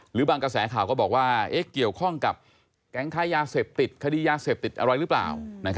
หรือบางกระแสข่าวก็บอกว่าเกี่ยวข้องกับแก๊งค้ายาเสพติดคดียาเสพติดอะไรหรือเปล่า